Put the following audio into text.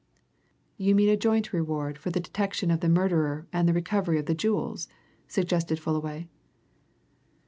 "You mean a joint reward for the detection of the murderer and the recovery of the jewels?" suggested Fullaway.